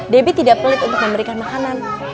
debbie tidak pelit untuk memberikan makanan